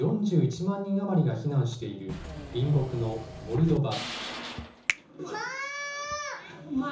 人余りが避難している隣国のモルドバ。